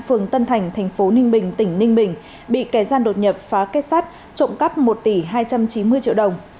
phường tân thành thành phố ninh bình tỉnh ninh bình bị kẻ gian đột nhập phá kết sát trộm cắp một tỷ hai trăm chín mươi triệu đồng